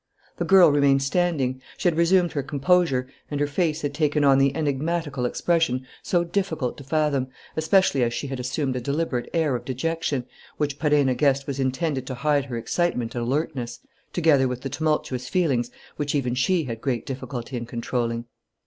The girl remained standing. She had resumed her composure, and her face had taken on the enigmatical expression so difficult to fathom, especially as she had assumed a deliberate air of dejection, which Perenna guessed was intended to hide her excitement and alertness, together with the tumultuous feelings which even she had great difficulty in controlling.